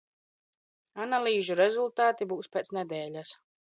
Analīžu rezultāti būs pēc nedēļas!